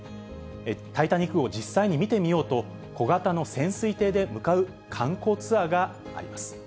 タイタニック号を実際に見てみようと、小型の潜水艇で向かう観光ツアーがあります。